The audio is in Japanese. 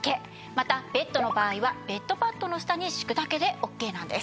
またベッドの場合はベッドパッドの下に敷くだけでオッケーなんです。